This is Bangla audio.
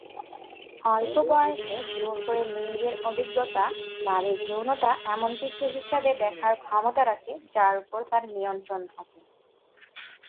অল্প বয়সে জোর করে লিঙ্গের অভিজ্ঞতা নারীর যৌনতা এমন কিছু হিসাবে দেখার ক্ষমতা রাখে যার উপর তার নিয়ন্ত্রণ থাকে।